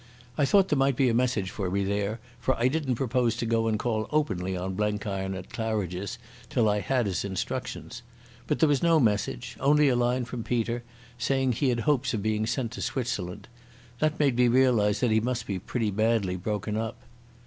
I thought there might be a message for me there, for I didn't propose to go and call openly on Blenkiron at Claridge's till I had his instructions. But there was no message—only a line from Peter, saying he had hopes of being sent to Switzerland. That made me realise that he must be pretty badly broken up.